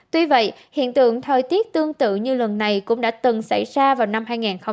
tuy vậy hiện tượng thời tiết tương tự như lần này cũng đã từng xảy ra vào năm hai nghìn một mươi sáu